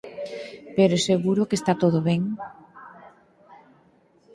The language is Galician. Pero seguro que está todo ben!